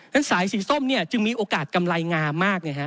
นั้นสายสีส้มเนี่ยจึงมีโอกาสกำไรงามมากไงฮะ